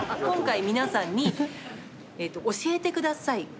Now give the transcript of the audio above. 今回皆さんに「教えてください